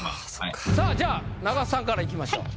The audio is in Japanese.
さあじゃあ中田さんからいきましょう。